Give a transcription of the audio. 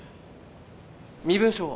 身分証を。